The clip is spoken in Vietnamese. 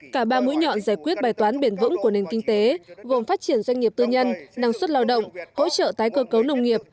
cả ba mũi nhọn giải quyết bài toán biển vững của nền kinh tế gồm phát triển doanh nghiệp tư nhân năng suất lao động hỗ trợ tái cơ cấu nông nghiệp